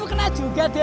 situ kena juga den